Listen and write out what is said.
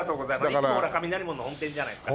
いつも雷門の本店じゃないですか。